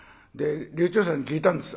柳朝さんに聞いたんです。